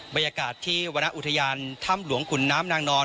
บรรยากาศที่วรรณอุทยานถ้ำหลวงขุนน้ำนางนอน